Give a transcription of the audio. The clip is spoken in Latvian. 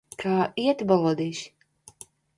Kā iet, balodīši?